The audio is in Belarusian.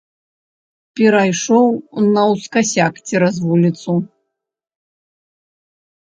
Перайшоў наўскасяк цераз вуліцу.